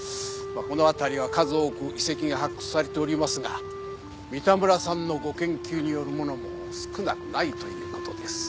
この辺りは数多く遺跡が発掘されておりますが三田村さんのご研究によるものも少なくないという事です。